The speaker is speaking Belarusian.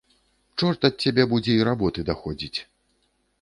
Чорт ад цябе будзе й работы даходзіць.